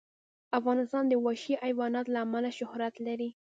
افغانستان د وحشي حیوانات له امله شهرت لري.